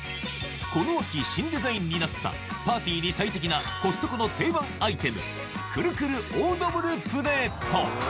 この秋、新デザインになった、パーティーに最適なコストコの定番アイテム、くるくるオードブルプレート。